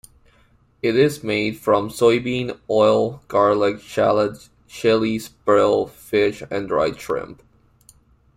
It is made from soybean oil, garlic, shallots, chilies, brill fish and dried shrimp.